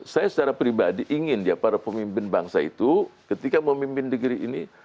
saya secara pribadi ingin ya para pemimpin bangsa itu ketika memimpin negeri ini